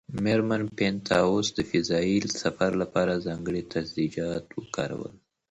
مېرمن بینتهاوس د فضایي سفر لپاره ځانګړي تجهیزات وکارول.